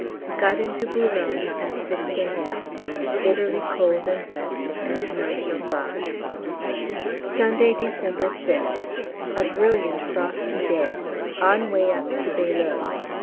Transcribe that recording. Got into B. at 6 A.M.; bitterly cold and wet, and no chauffage. Sunday, December 6th. A brilliant frosty day on way up to Bailleul.